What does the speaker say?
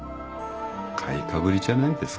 買いかぶりじゃないですか。